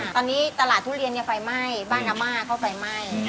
ตอนนี้ตลาดทุเรียนใบไม่บ้านดำมาเข้าใบไม่